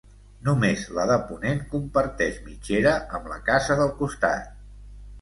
Només la de ponent comparteix mitgera amb la casa del costat.